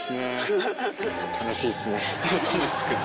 楽しいですか？